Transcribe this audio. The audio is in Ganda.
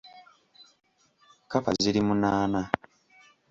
Kkapa ziri munaana .